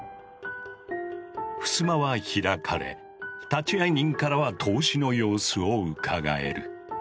ふすまは開かれ立会人からは透視の様子をうかがえる。